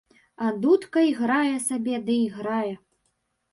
А дудка іграе сабе ды іграе.